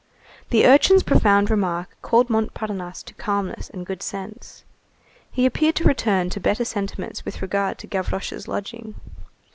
] The urchin's profound remark recalled Montparnasse to calmness and good sense. He appeared to return to better sentiments with regard to Gavroche's lodging.